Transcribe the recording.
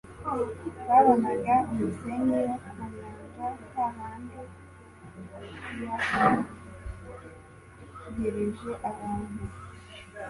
Babonaga umusenyi wo ku nyanja hahandi yahagirije abantu